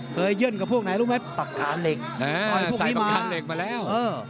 เย่นกับพวกไหนรู้ไหมปักขาเหล็กใส่ปากกาเหล็กมาแล้ว